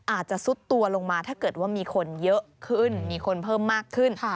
อาจจะซุดตัวลงมาถ้าเกิดว่ามีคนเยอะขึ้นมีคนเพิ่มมากขึ้น